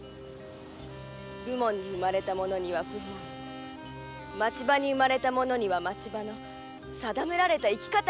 武門に生まれた者には武門の町場に生まれた者には町場の定められた生き方がございます。